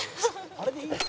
「あれでいいの？